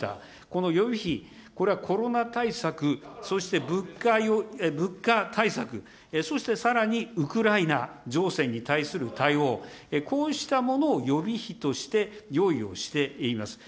この予備費、これはコロナ対策、そして物価対策、そしてさらにウクライナ情勢に対する対応、こうしたものを予備費として用意をしています。